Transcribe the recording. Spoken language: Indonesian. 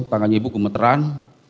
tangannya ibu gemeteran